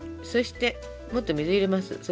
そしてもっと水入れます。